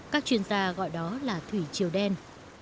các chuyên gia gọi đó là thủy chiều đen